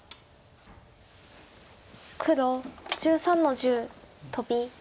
黒１３の十トビ。